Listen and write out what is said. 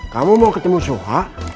kamu mau ketemu suha